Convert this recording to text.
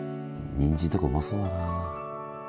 にんじんとかうまそうだな。